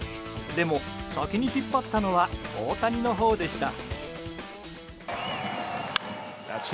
でも、先に引っ張ったのは大谷のほうでした。